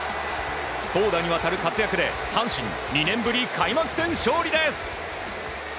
投打にわたる活躍で阪神、２年ぶり開幕戦勝利です。